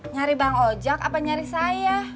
nyari bang ojek apa nyari saya